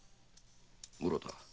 室田